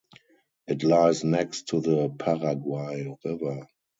It lies next to the Paraguay River.